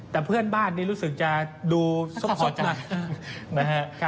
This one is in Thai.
แต่เพื่อนบ้านรู้สึกจะดูซบหนัก